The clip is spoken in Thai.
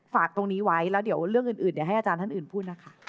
ฝากตรงนี้ไว้แล้วเดี๋ยวเรื่องอื่นเดี๋ยวให้อาจารย์ท่านอื่นพูดนะคะ